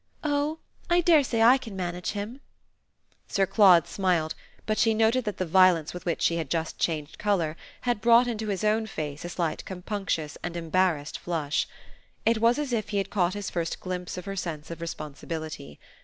"Oh I dare say I can manage him!" Sir Claude smiled, but she noted that the violence with which she had just changed colour had brought into his own face a slight compunctious and embarrassed flush. It was as if he had caught his first glimpse of her sense of responsibility.